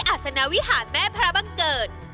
ก็จะเชิญชวนน้ำชมทางบ้านที่